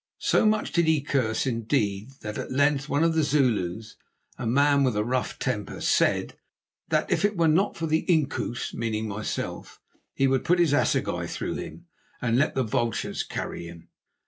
So much did he curse, indeed, that at length one of the Zulus, a man with a rough temper, said that if it were not for the Inkoos, meaning myself, he would put his assegai through him, and let the vultures carry him.